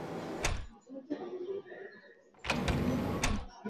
Mlima Hanang wenye mita elfu tatu mia moja na tatu